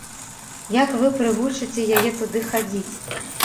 Як вы прывучыце яе туды хадзіць?